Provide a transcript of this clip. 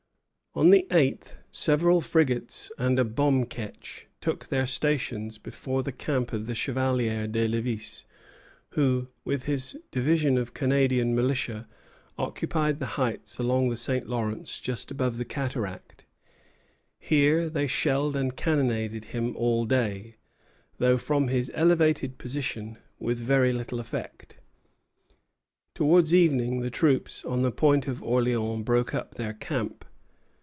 On the eighth several frigates and a bomb ketch took their stations before the camp of the Chevalier de Lévis, who, with his division of Canadian militia, occupied the heights along the St. Lawrence just above the cataract. Here they shelled and cannonaded him all day; though, from his elevated position, with very little effect. Towards evening the troops on the Point of Orleans broke up their camp.